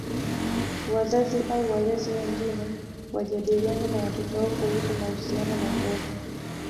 Wazazi au walezi wengine wajadiliane na watoto wao kuhusu mahusiano na ngono